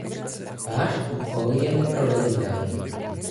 Váš úkol je neproveditelný.